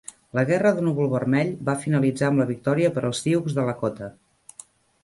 La guerra de núvol vermell va finalitzar amb la victòria per als Sioux de Lakota.